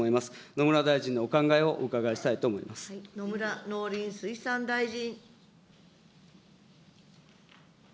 野村大臣のお考えをお伺いしたい野村農林水産大臣。